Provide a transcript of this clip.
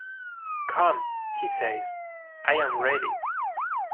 "Come," he says; "I am ready."